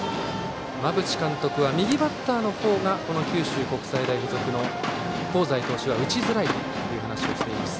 馬淵監督は、右バッターの方が九州国際大付属の香西投手は打ちづらいと話しています。